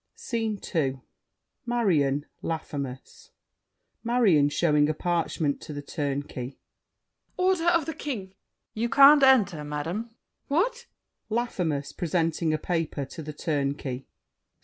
SCENE II Marion, Laffemas MARION (showing a parchment to The Turnkey). Order of the King! THE TURNKEY. You can't Enter, madame. MARION. What! LAFFEMAS (presenting a paper to The Turnkey).